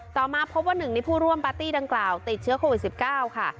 ต่อมาพบว่าหนึ่งในผู้ร่วมปาร์ตี้ดังกล่าวติดเชื้อโควิด๑๙ค่ะ